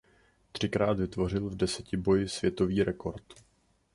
Třikrát vytvořil v desetiboji světový rekord.